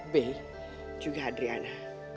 be juga adriana